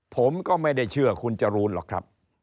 ผมก็ไม่ได้เชื่อคุณจรูนหรอกครับ